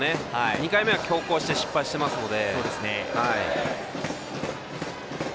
２回目は強行して失敗してますので。